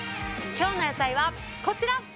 今日の野菜はこちら！